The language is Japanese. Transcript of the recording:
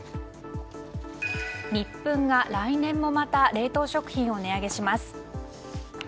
ニップンが来年もまた冷凍食品を値上げします。